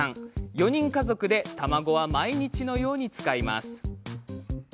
４人家族で卵は毎日のように使います。